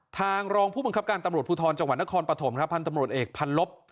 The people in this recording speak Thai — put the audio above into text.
ทางรองผู้บังคับการตำรวจภูทรจังหวัดนครปฐมครับพันธ์ตำรวจเอกพันลบ